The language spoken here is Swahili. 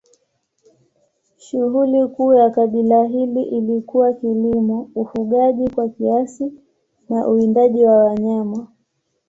Shughuli kuu ya kabila hili ilikuwa kilimo, ufugaji kwa kiasi na uwindaji wa wanyama.